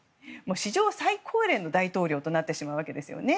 史上最高齢の大統領となってしまうわけですよね。